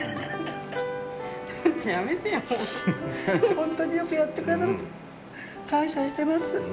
ほんとによくやってくれたなと感謝してます。